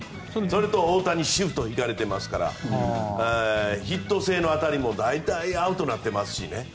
それと大谷シフトを敷かれているのでヒット性の当たりも大体アウトになっていますしね。